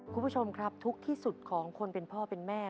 คุณผู้ชมครับทุกข์ที่สุดของคนเป็นพ่อเป็นแม่